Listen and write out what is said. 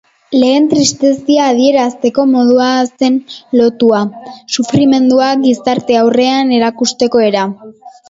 Lehen, tristezia adierazteko modua zen lutoa, sufrimendua gizarte aurrean erakusteko era.